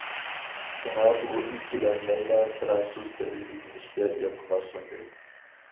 شۇڭا ئۇ ئىككىلەنمەيلا فىرانسۇز تىلى ئۆگىنىشكە ئىلتىماس سۇندى.